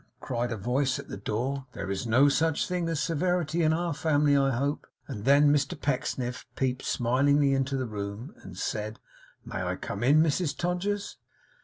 cried a voice at the door. 'There is no such thing as severity in our family, I hope!' And then Mr Pecksniff peeped smilingly into the room, and said, 'May I come in, Mrs Todgers?